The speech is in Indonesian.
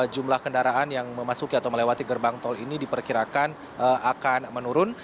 jumlah kendaraan yang memasuki atau melewati gerbang tol ini diperkirakan akan menurun